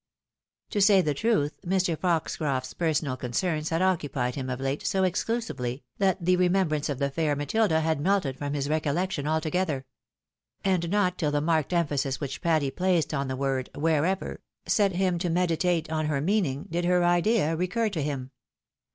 To s&j the truth, Mr. Foxcroft's personal concerns had occupied him, of late, so exclun'vely, that the remembrance of the fair Matilda had melted from his recoUeo tion altogether ; and not till the marked emphasis which Patty placed on the word " wherever," set him to medita, te on her meaning, did her idea recur to liim.